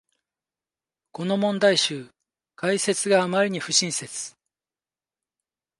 この問題集、解説があまりに不親切